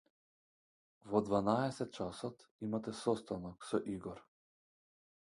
Во дванаесет часот имате состанок со Игор.